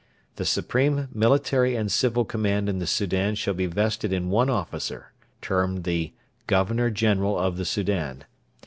The supreme military and civil command in the Soudan shall be vested in one officer, termed the 'Governor General of the Soudan.'